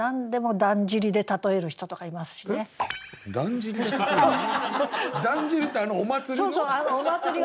「だんじり」ってあのお祭りの？